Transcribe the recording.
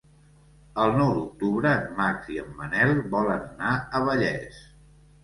El nou d'octubre en Max i en Manel volen anar a Vallés.